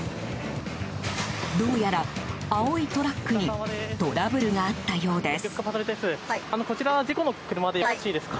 どうやら青いトラックにトラブルがあったようです。